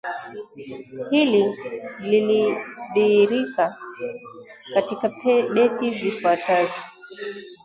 Hili linadhihirika katika beti zifuatao: